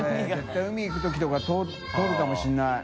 海貔簑海行くときとか通るかもしれない。